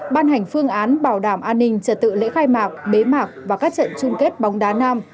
ban hành phương án bảo đảm an ninh trật tự lễ khai mạc bế mạc và các trận chung kết bóng đá nam